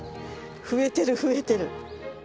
増えてる増えてる。